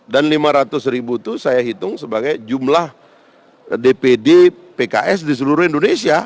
dan lima ratus ribu itu saya hitung sebagai jumlah dpd pks di seluruh indonesia